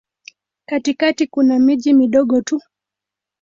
Katikati kuna miji midogo tu.